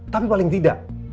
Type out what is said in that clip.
tapi paling tidak